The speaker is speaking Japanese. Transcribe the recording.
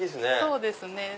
そうですね。